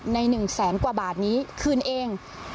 ใน๑๐๐๐๐๐กว่าบาทนี้คืนเอง